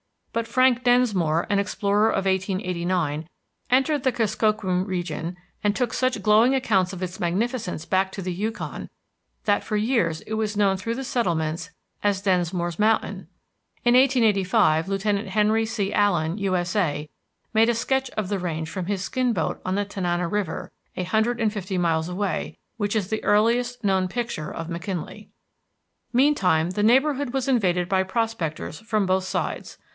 But Frank Densmore, an explorer of 1889, entered the Kuskokwim region, and took such glowing accounts of its magnificence back to the Yukon that for years it was known through the settlements as Densmore's Mountain. In 1885 Lieutenant Henry C. Allen, U.S.A., made a sketch of the range from his skin boat on the Tanana River, a hundred and fifty miles away, which is the earliest known picture of McKinley. Meantime the neighborhood was invaded by prospectors from both sides.